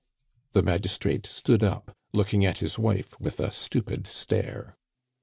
The magistrate stood up, looking at his wife with a stupid stare.